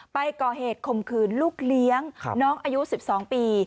ไปก่อเหตุข่มขืนลูกเลี้ยงน้องอายุ๑๒ปี